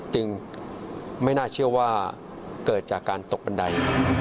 จึงไม่น่าเชื่อว่าเกิดจากการตกบันได